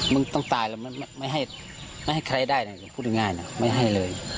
มึงต้องตายแล้วไม่ให้ใครได้นะอย่าพูดง่ายนะไม่ให้เลย